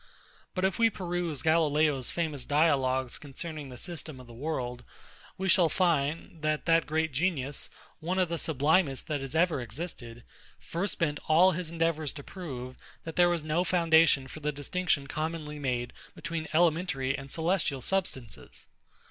But if we peruse GALILEO's famous Dialogues concerning the system of the world, we shall find, that that great genius, one of the sublimest that ever existed, first bent all his endeavours to prove, that there was no foundation for the distinction commonly made between elementary and celestial substances.